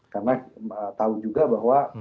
karena tahu juga bahwa